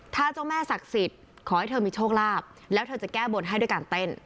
ถ้าเจ้าแม่ศักดิ์สิทธิ์ขอให้เธอมีโชคลาภแล้วเธอจะแก้บนให้ด้วยการเต้น